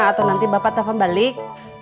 atau nanti bapak telepon balik